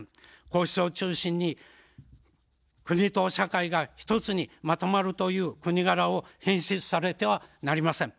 皇室を中心に国と社会がひとつにまとまるという国柄を変質させてはなりません。